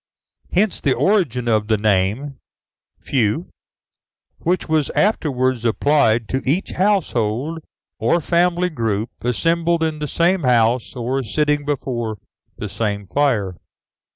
Hence the origin of the name, feu, which was afterwards applied to each household or family group assembled in the same house or sitting before the same fire.